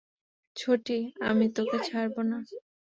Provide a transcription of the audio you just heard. ছোটি, আমি তোকে ছাড়বো না!